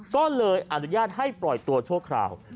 ก็เลยอนุญาตให้ปล่อยตัวชั่วคราว